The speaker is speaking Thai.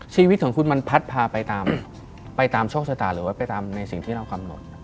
ชีวิตของคุณมันพัดพาไปตามโชคชะตาหรือว่าไปตามในสิ่งที่เรากำหนด